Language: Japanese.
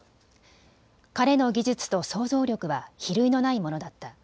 彼の技術と想像力は比類のないものだった。